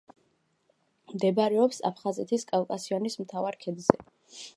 მდებარეობს აფხაზეთის კავკასიონის მთავარ ქედზე.